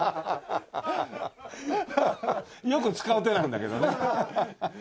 よく使う手なんだけどね。